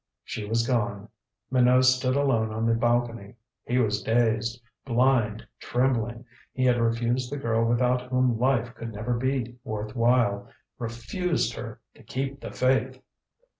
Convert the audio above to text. She was gone! Minot stood alone on the balcony. He was dazed, blind, trembling. He had refused the girl without whom life could never be worth while! Refused her, to keep the faith!